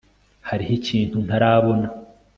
hariho ikintu ntarabona